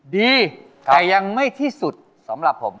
ดีแต่ยังไม่ที่สุดสำหรับผม